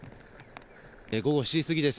午後７時過ぎです。